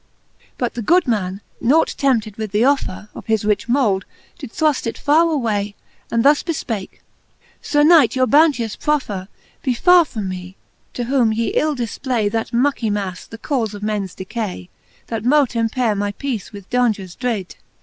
But the good man, noxight tempted with the ofier Of his rich m6uld, did thtuft it farre away, And thus befpake ; Sir Knight, youf bounteotli proffer ^ Be farre fro me, to whom ye ill difpky That mucky ma{!e, the caufe of mens decay, That mote empaite my peace with daungers dread.